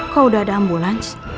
kau udah ada ambulans